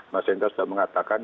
mas wendal sudah mengatakan